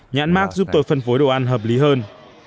nhãn mát giúp tôi phân phối đồ ăn hợp lý hơn